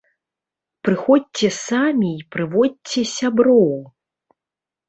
Прыходзьце самі і прыводзьце сяброў!